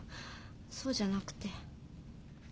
そうじゃなくて。